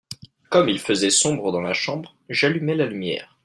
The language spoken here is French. comme il faisait sombre dans la chambre, j'allumai la lumière.